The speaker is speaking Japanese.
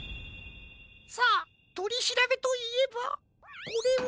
さあとりしらべといえばこれを。